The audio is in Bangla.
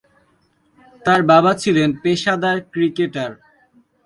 তার বাবা ছিলেন পেশাদার ক্রিকেটার।